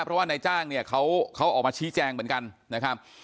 เพราะว่านายจ้างเนี่ยเขาออกมาชี้แจงเหมือนกันนะครับ